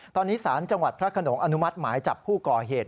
ตอนนี้สารจังหวัดพระขนงอนุมัติหมายจับผู้ก่อเหตุ